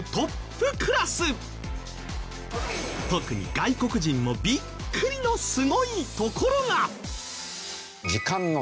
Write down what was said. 特に外国人もビックリのすごいところが。